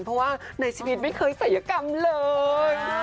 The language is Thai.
เพราะว่าในชีวิตไม่เคยศัยกรรมเลย